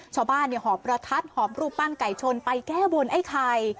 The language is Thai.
ชาวบ้านเนี่ยหอบประทัดหอบรูปปั้นไก่ชนไปแก้บนไอ้ไข่